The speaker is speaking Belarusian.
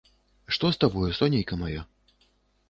Што з табою, сонейка маё?